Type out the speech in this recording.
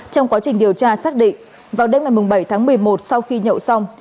trong quá trình điều tra xác định vào đêm ngày bảy tháng một mươi một sau khi nhậu xong